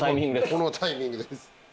このタイミングです。